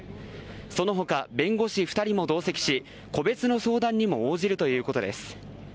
その他、弁護士２人も同席し個別の相談にも応じるということです。